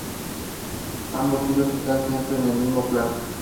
Ambos filos están siempre en el mismo plano.